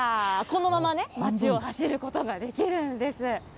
このままね、街を走ることができるんです。